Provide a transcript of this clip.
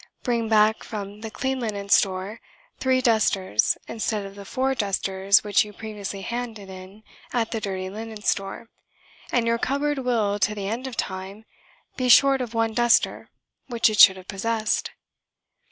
Bring back from the Clean Linen Store three dusters instead of the four dusters which you previously handed in at the Dirty Linen Store, and your cupboard will, to the end of time, be short of one duster which it should have possessed.